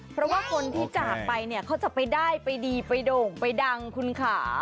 เพราะว่าคนที่จากไปเนี่ยเขาจะไปได้ไปดีไปโด่งไปดังคุณค่ะ